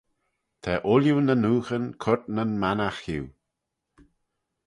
Ta ooilley ny nooghyn coyrt nyn mannaght hiu.